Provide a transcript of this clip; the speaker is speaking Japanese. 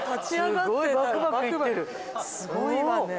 すごいわね。